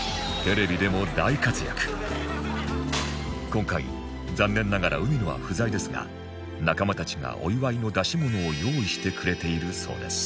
今回残念ながら海野は不在ですが仲間たちがお祝いの出し物を用意してくれているそうです